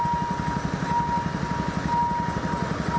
โรงพยาบาล